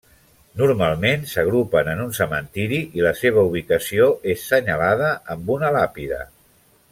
Normalment s'agrupen en un cementiri i la seva ubicació és senyalada amb una làpida.